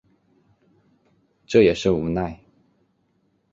这也是无奈